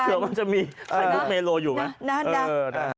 เผื่อว่ามันจะมีใครบุ๊คเมโลอยู่ไหมนั้น